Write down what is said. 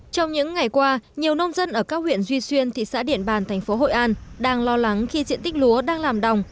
trong những ngày qua nhiều nông dân ở các huyện duy xuyên thị xã điện bàn thành phố hội an đang lo lắng khi diện tích lúa đang làm đồng